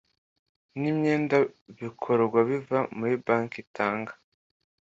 N imyenda bikorwa biva kuri banki itanga